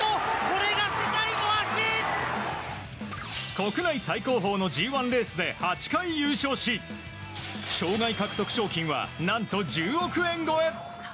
国内最高峰のＧ１レースで８回優勝し、生涯獲得賞金は何と１０億円超え。